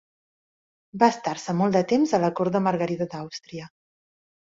Va estar-se molt de temps a la cort de Margarida d'Àustria.